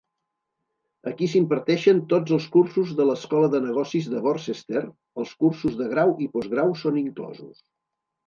Aquí s'imparteixen tots els cursos de l'escola de negocis de Worcester, els cursos de grau i postgrau són inclosos.